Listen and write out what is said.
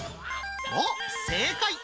おっ、正解。